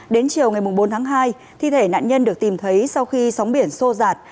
đến chiều ngày bốn tháng hai thi thể nạn nhân được tìm thấy sau khi sóng biển sô rạt